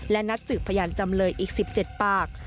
และนัดสืบพยานจำเลยอีก๑๗ปาก